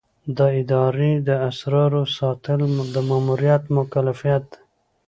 د ادارې د اسرارو ساتل د مامور مکلفیت دی.